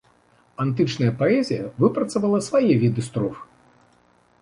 Антычная паэзія выпрацавала свае віды строф.